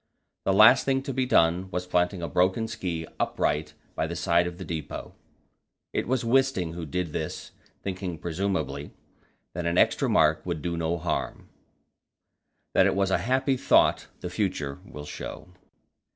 The last thing to be done was planting a broken ski upright by the side of the depot. It was Wisting who did this, thinking, presumably, that an extra mark would do no harm. That it was a happy thought the future will show.